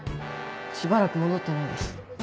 しばらく戻ってないです。